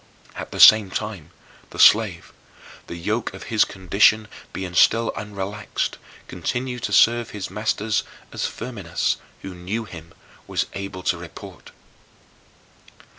At the same time, the slave, the yoke of his condition being still unrelaxed, continued to serve his masters as Firminus, who knew him, was able to report.